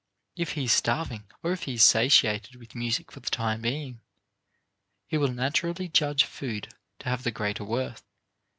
If he is starving, or if he is satiated with music for the time being, he will naturally judge food to have the greater worth.